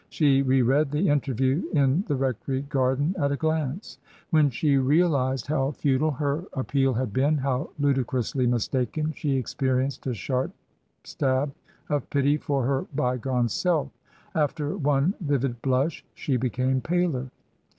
She re read the interview in the rec tory garden at a glance. When she realized how futile 12 134 TRANSITION. her appeal had been, how ludicrously mistaken, she ex perienced a sharp stab of pity for her by gone self. After one vivid blush she became paler.